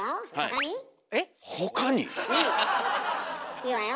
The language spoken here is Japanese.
いいわよ